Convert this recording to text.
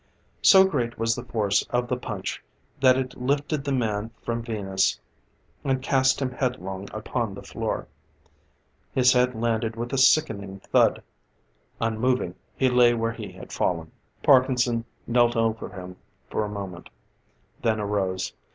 So great was the force of the punch, that it lifted the man from Venus and cast him headlong upon the floor. His head landed with a sickening thud. Unmoving, he lay where he had fallen. Parkinson knelt over him for a moment, then arose.